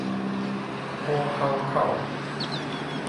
虎吼口